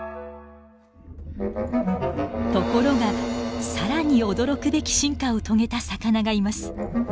ところが更に驚くべき進化を遂げた魚がいます。